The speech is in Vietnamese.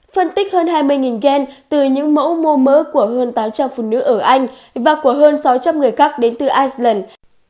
phân tích hơn hai mươi gen từ những mẫu mô mỡ của hơn tám trăm linh phụ nữ ở anh và của hơn sáu trăm linh người khác đến từ iceland